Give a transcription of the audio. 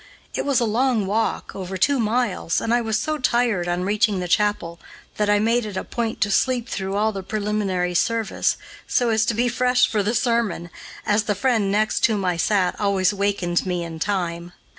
It was a long walk, over two miles, and I was so tired, on reaching the chapel, that I made it a point to sleep through all the preliminary service, so as to be fresh for the sermon, as the friend next whom I sat always wakened me in time.